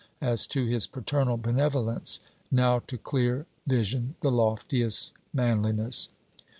as to his paternal benevolence, now to clear vision the loftiest manliness.